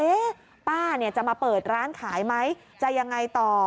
ป้าเนี่ยจะมาเปิดร้านขายไหมจะยังไงต่อ